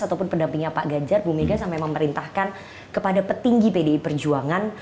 ataupun pendampingnya pak ganjar bu mega sampai memerintahkan kepada petinggi pdi perjuangan